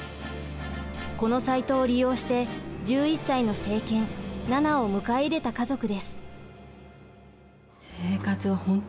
このサイトを利用して１１歳の成犬ナナを迎え入れた家族です。